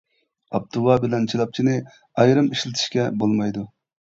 ئاپتۇۋا بىلەن چىلاپچىنى ئايرىم ئىشلىتىشكە بولمايدۇ.